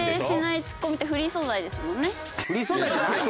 フリー素材じゃないよ。